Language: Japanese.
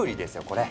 これ。